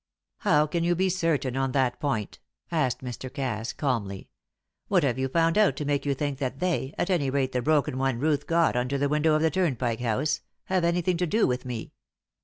"How can you be certain on that point?" asked Mr. Cass, calmly. "What have you found out to make you think that they at any rate the broken one Ruth got under the window of the Turnpike House have anything to do with me?